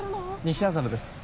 西麻布です